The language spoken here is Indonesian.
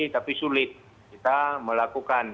tapi sulit kita melakukan